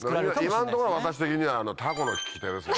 今のところ私的にはタコの利き手ですね。